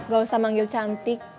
gak usah manggil cantik